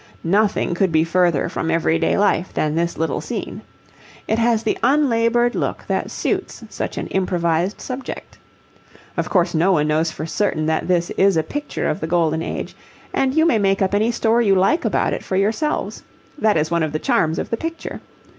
Nothing could be further from everyday life than this little scene. It has the unlaboured look that suits such an improvised subject. Of course no one knows for certain that this is a picture of the Golden Age, and you may make up any story you like about it for yourselves. That is one of the charms of the picture.